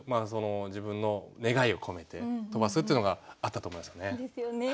自分の願いを込めて飛ばすっていうのがあったと思いますよね。